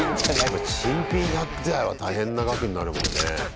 新品１００台は大変な額になるもんね。